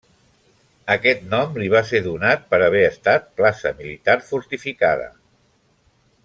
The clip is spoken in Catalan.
Aquest nom li va ser donat per haver estat plaça militar fortificada.